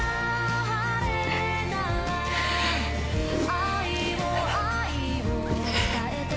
「愛を、愛を伝えて」